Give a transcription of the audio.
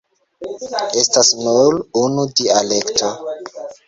Estas nur unu dialekto.